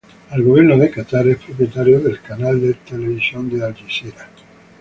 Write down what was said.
El gobierno de Catar es propietario del canal de televisión Al Jazeera.